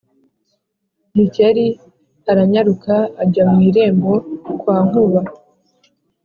Gikeli aranyaruka ajya mu irembo kwa Nkuba